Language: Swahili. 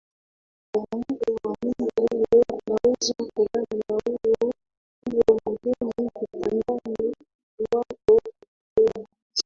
Mwanamke wa nyumba hio anaweza kulala na huyo mgeni kitandani iwapo atapenda